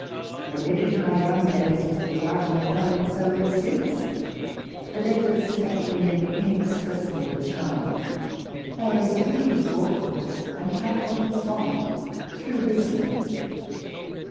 I read it in my young days with delight, and have done so ever since : the Letters have for me an inexpressible charm ; they are as witty as Walpole's, and have, what his want, true wisdom.